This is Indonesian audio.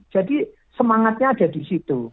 jadi semangatnya ada di situ